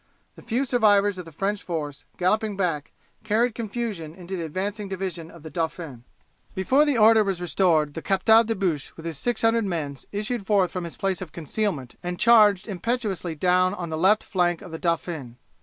The few survivors of the French force, galloping back, carried confusion into the advancing division of the Dauphin. Before order was restored the Captal De Buch with his six hundred men issued forth from his place of concealment and charged impetuously down on the left flank of the Dauphin.